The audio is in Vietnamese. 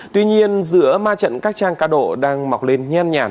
tuy nhiên giữa ma trận các trang cao độ đang mọc lên nhan nhản